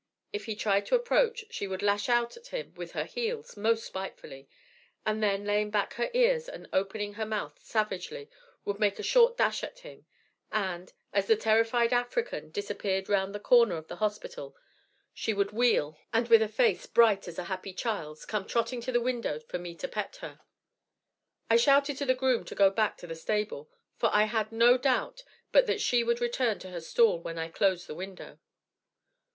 If he tried to approach she would lash out at him with her heels most spitefully, and then, laying back her ears and opening her mouth savagely, would make a short dash at him, and, as the terrified African disappeared around the corner of the hospital, she would wheel, and, with a face bright as a happy child's, come trotting to the window for me to pet her. I shouted to the groom to go back to the stable, for I had no doubt but that she would return to her stall when I closed the window.